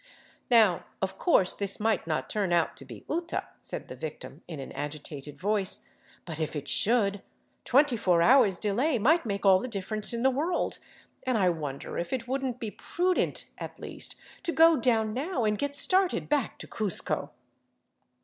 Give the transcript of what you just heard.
" Now of course this might not turn out to be uta," said the victim, in an agitated voice, " but if it should, twenty four hours delay might make all the difference in the world, and I wonder if it wouldn't be prudent, at least, to go down now and get started back to Cuzco."